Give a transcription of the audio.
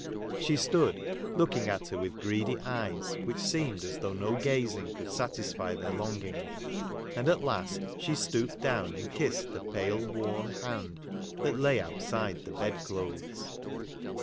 She stood looking at her with greedy eyes, which seemed as though no gazing could satisfy their longing ; and at last she stooped down and kissed the pale, worn hand that lay outside the bed clothes.